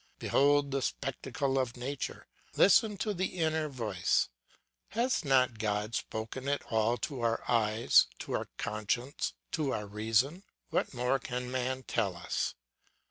Behold the spectacle of nature; listen to the inner voice. Has not God spoken it all to our eyes, to our conscience, to our reason? What more can man tell us?